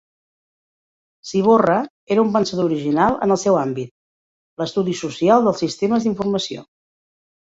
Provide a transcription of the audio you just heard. Ciborra era un pensador original en el seu àmbit: l'Estudi Social dels Sistemes d'Informació.